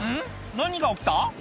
何が起きた？